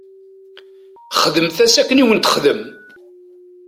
Xdemt-as akken i wen-texdem.